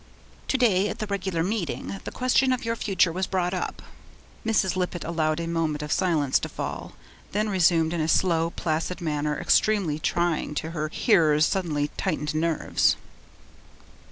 'To day at the regular meeting, the question of your future was brought up.' Mrs. Lippett allowed a moment of silence to fall, then resumed in a slow, placid manner extremely trying to her hearer's suddenly tightened nerves.